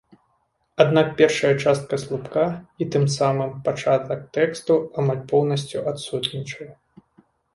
Аднак першая частка слупка і, тым самым, пачатак тэксту амаль поўнасцю адсутнічае.